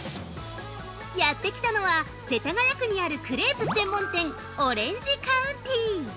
◆やってきたのは、世田谷区にあるクレープ専門店オレンジカウンティー。